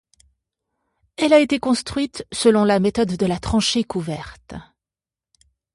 Elle a été construite selon la méthode de la tranchée couverte.